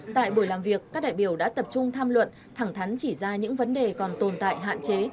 tại buổi làm việc các đại biểu đã tập trung tham luận thẳng thắn chỉ ra những vấn đề còn tồn tại hạn chế